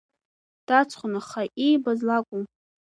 Даҵхон, аха иибаз лакәын…